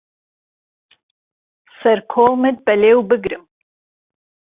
سهر کوڵمت به لێو بگرم